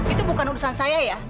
itu bukan urusan saya ya